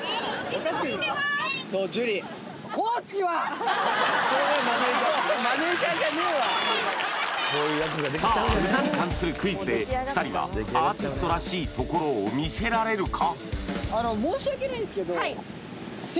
そう樹さあ歌に関するクイズで２人はアーティストらしいところを見せられるか？